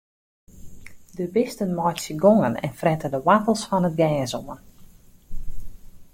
De bisten meitsje gongen en frette de woartels fan it gjers oan.